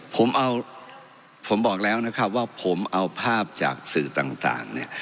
ผมเอาผมบอกแล้วนะครับว่าผมเอาภาพจากสื่อต่างเนี่ย